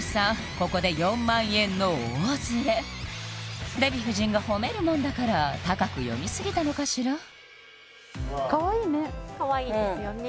ここで４万円の大ズレデヴィ夫人が褒めるもんだから高く読みすぎたのかしらかわいいねかわいいですよね